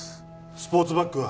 スポーツバッグは？